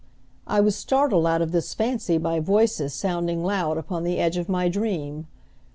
I was startled out of this fancy by voices sounding loud upon the edge of my dream.